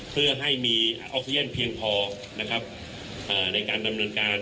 เพื่อให้มีออกซิเจนเพียงพอนะครับในการดำเนินการ